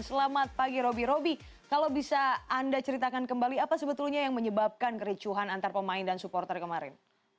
selamat pagi roby roby kalau bisa anda ceritakan kembali apa sebetulnya yang menyebabkan kericuhan antar pemain dan supporter kemarin